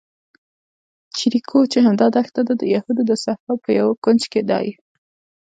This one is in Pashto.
جیریکو چې همدا دښته ده، د یهودو د صحرا په یوه کونج کې دی.